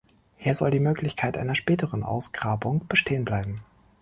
Hier soll die Möglichkeit einer späteren Ausgrabung bestehen bleiben.